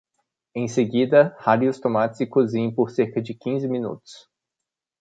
Em seguida, rale os tomates e cozinhe por cerca de quinze minutos.